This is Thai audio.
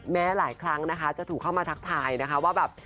แม้หลายครั้งนะคะจะถูกเข้ามาทักทายนะคะว่าแบบ